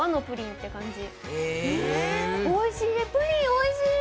おいしい。